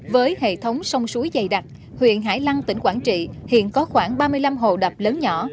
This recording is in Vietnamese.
với hệ thống sông suối dày đặc huyện hải lăng tỉnh quảng trị hiện có khoảng ba mươi năm hồ đập lớn nhỏ